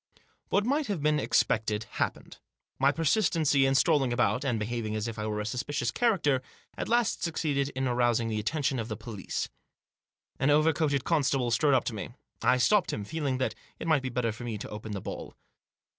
What might have been expected happened. My persistency in strolling abouf, and behaving as if I were a suspicious character, at last succeeded in arousing the attention of the police. An over coated constable strode up to me. I stopped him, feeling that it might be better for me to open the ball.